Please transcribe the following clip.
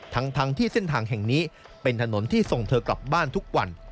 ทั้งที่เส้นทางแห่งนี้เป็นถนนที่ส่งเธอกลับบ้านทุกวัน